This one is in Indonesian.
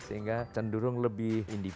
sehingga cenderung lebih indikator